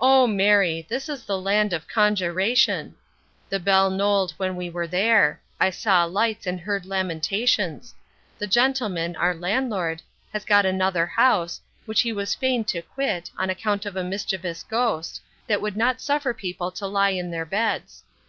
O Mary! this is the land of congyration The bell knolled when we were there I saw lights, and heard lamentations. The gentleman, our landlord, has got another house, which he was fain to quit, on account of a mischievous ghost, that would not suffer people to lie in their beds.